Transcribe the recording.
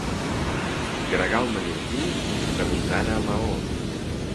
Gregal mallorquí, tramuntana a Maó.